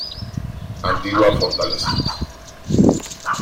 Antigua fortaleza.